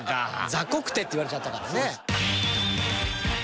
「ザコくて」って言われちゃったからね。